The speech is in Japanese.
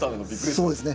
そうですね。